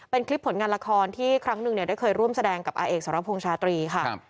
เป็นคลิปผลงานละครที่ครั้งหนึ่งเนี่ยได้เคยร่วมแสดงกับอาเอกสรพงษ์ชาตรีค่ะ